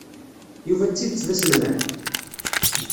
Yuba d tidet d aselmad?